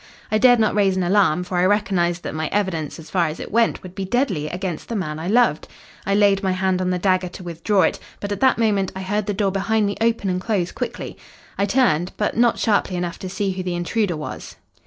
I dared not raise an alarm, for I recognised that my evidence as far as it went would be deadly agamst the man I loved. I laid my hand on the dagger to withdraw it, but at that moment I heard the door behind me open and close quickly. I turned, but not sharply enough to see who the intruder was.